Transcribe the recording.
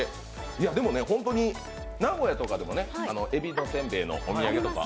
でもね、本当に名古屋とかでもえびせんべいのお土産とか